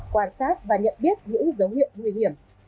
quan sát và nhận biết những dấu hiệu nguy hiểm